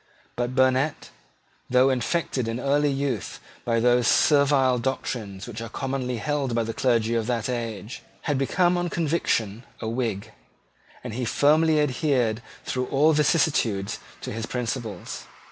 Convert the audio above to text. But Burnet, though infected in early youth by those servile doctrines which were commonly held by the clergy of that age, had become on conviction a Whig; and he firmly adhered through all vicissitudes to his principles.